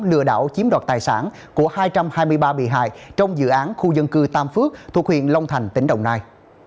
lừa đảo chiếm đoạt tài sản của hai trăm hai mươi ba bị hại trong dự án khu dân cư tam phước thuộc huyện long thành tỉnh đồng nai